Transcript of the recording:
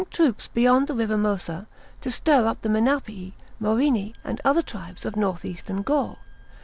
CHAP, xx troops beyond the river Mosa, to stir up the Menapii, Morini, and other tribes of north eastern Gaul.